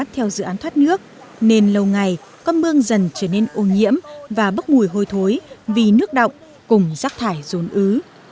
theo dự án thoát nước nên lâu ngày con mương dần trở nên ô nhiễm và bất mùi hôi thối vì nước động cùng rác thải dồn ứ